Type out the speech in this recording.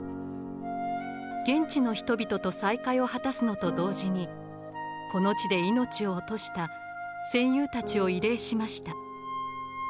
現地の人々と再会を果たすのと同時にこの地で命を落とした戦友たちを慰霊しました。